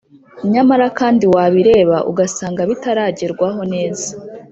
nyamara kandi wabireba ugasanga, bitaragerwaho neza